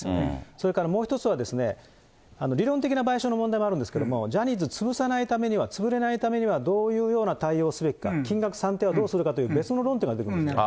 それからもう一つは、理論的な賠償の問題もあるんですけれども、ジャニーズ潰さないためには、潰れないためには、どういうような対応をすべきか、金額算定はどうするかというその論点が出てくるんですね。